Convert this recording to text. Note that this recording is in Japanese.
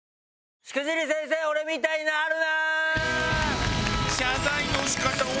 『しくじり先生俺みたいになるな！！』！